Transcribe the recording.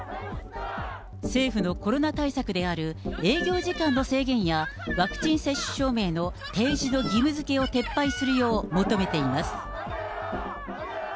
政府のコロナ対策である営業時間の制限や、ワクチン接種証明の提示の義務づけを撤廃するよう求めています。